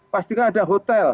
pastikan ada hotel